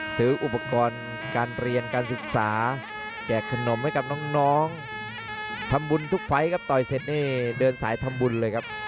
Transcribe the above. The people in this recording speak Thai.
ซื้ออุปกรณ์การเรียนการศึกษาแจกขนมให้กับน้องทำบุญทุกไฟล์ครับต่อยเสร็จนี่เดินสายทำบุญเลยครับ